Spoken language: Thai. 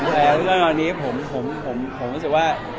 ตอนนี้ผมรู้สึกว่า